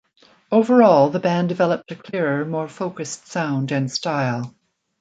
Overall, the band developed a clearer, more focused sound and style.